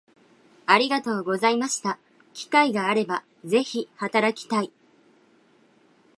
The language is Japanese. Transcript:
ありがとうございました機会があれば是非働きたい